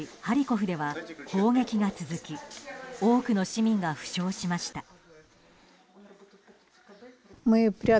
ハリコフでは砲撃が続き多くの市民が負傷しました。